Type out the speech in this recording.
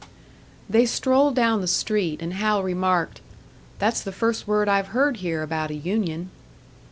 They strolled down the street, and Hal remarked, "That's the first word I've heard here about a union."